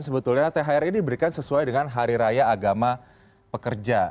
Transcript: sebetulnya thr ini diberikan sesuai dengan hari raya agama pekerja